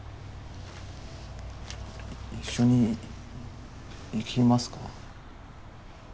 一緒に行きますか？